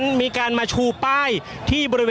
ก็น่าจะมีการเปิดทางให้รถพยาบาลเคลื่อนต่อไปนะครับ